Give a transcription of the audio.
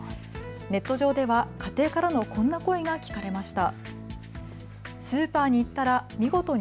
ネット上では家庭からのこんな声が聞かれました。